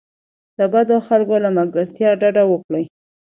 د بدو خلکو له ملګرتیا ډډه وکړئ.